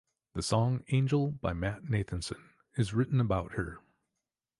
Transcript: The song "Angel" by Matt Nathanson is written about her.